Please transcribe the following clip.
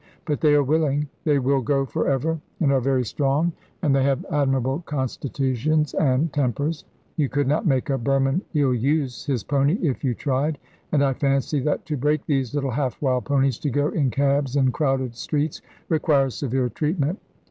But they are willing; they will go for ever, and are very strong, and they have admirable constitutions and tempers. You could not make a Burman ill use his pony if you tried, and I fancy that to break these little half wild ponies to go in cabs in crowded streets requires severe treatment.